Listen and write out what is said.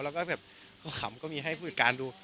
แล้วก็แบบพอขำก็มีให้ผู้จัดการดู